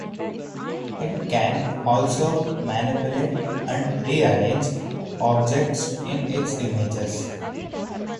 It can also "manipulate and rearrange" objects in its images.